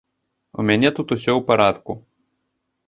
У мяне тут усё ў парадку.